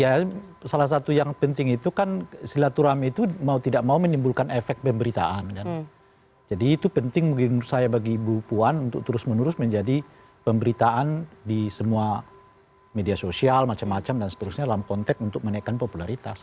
ya salah satu yang penting itu kan silaturahmi itu mau tidak mau menimbulkan efek pemberitaan kan jadi itu penting menurut saya bagi ibu puan untuk terus menerus menjadi pemberitaan di semua media sosial macam macam dan seterusnya dalam konteks untuk menaikkan popularitas